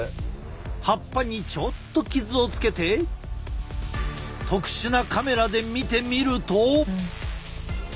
葉っぱにちょっと傷をつけて特殊なカメラで見てみると。